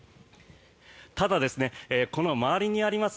ただ、この周りにあります